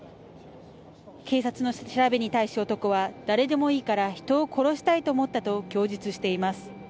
警察の調べに対し男は誰でもいいから人を殺したいと思ったと供述しています。